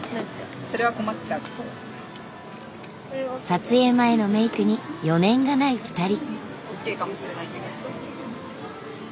撮影前のメイクに余念がない２人。